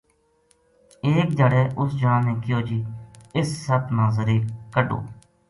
ایک دھیاڑی اُس جنا نے کہیو جی اِس سپ نا زَرے کڈھُو